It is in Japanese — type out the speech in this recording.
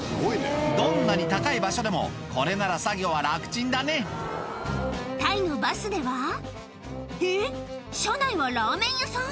どんなに高い場所でもこれなら作業は楽ちんだねタイのバスではえっ車内はラーメン屋さん？